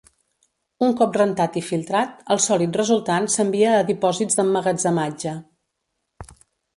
Un cop rentat i filtrat, el sòlid resultant s'envia a dipòsits d'emmagatzematge.